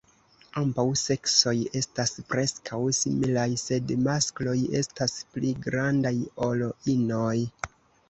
Ambaŭ seksoj estas preskaŭ similaj, sed maskloj estas pli grandaj ol inoj.